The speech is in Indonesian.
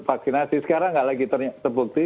vaksinasi sekarang nggak lagi terbukti